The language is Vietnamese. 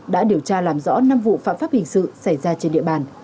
đã điều tra làm rõ năm vụ phạm pháp hình sự xảy ra trên địa bàn